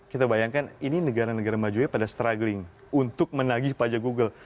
kita bayangkan ini negara negara majunya pada struggling untuk menagih pajak google